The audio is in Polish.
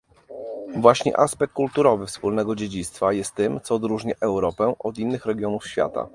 Właśnie aspekt kulturowy wspólnego dziedzictwa jest tym, co odróżnia Europę od innych regionów świata